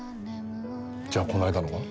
じゃあこの間のは？